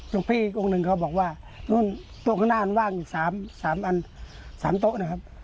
หลวงพี่องค์หนึ่งเขาบอกว่านู่นโต๊ะข้างหน้าอันว่างอยู่๓อัน๓โต๊ะนะครับ